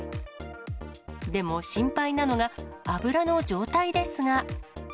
でも、心配なのが、油の状態ですが。